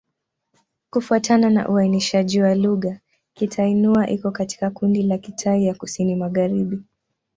Kufuatana na uainishaji wa lugha, Kitai-Nüa iko katika kundi la Kitai ya Kusini-Magharibi.